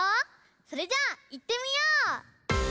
それじゃあいってみよう！